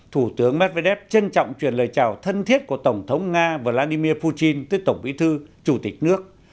thủ tướng medvedev trân trọng truyền lời chào thân thiết của tổng thống nga vladimir putin tới tổng bí thư chủ tịch nước